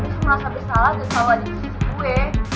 semua rasa bersalah gesel aja di sisi gue